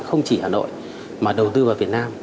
không chỉ hà nội mà đầu tư vào việt nam